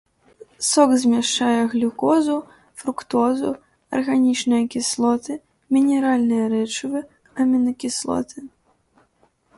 Сок змяшчае глюкозу, фруктозу, арганічныя кіслоты, мінеральныя рэчывы, амінакіслоты.